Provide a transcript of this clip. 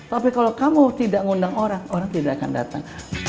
tapi kalau kamu tidak ngundang orang orang tidak akan datang